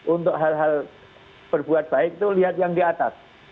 untuk hal hal berbuat baik itu lihat yang di atas